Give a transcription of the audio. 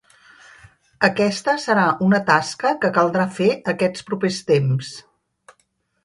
Aquesta serà una tasca que caldrà fer aquests propers temps.